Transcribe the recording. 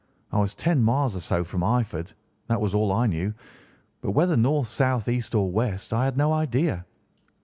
I was ten miles or so from Eyford, that was all I knew, but whether north, south, east, or west I had no idea.